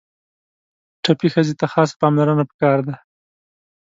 ټپي ښځې ته خاصه پاملرنه پکار ده.